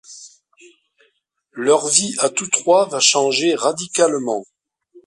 Leur vie à tous trois va changer radicalement.